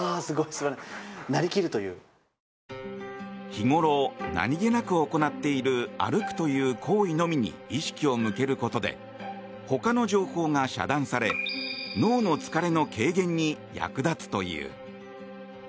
日頃、何げなく行っている歩くという行為のみに意識を向けることでほかの情報が遮断され脳の疲れの軽減に役立つという。